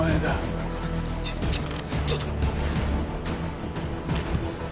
ちょちょちょっと。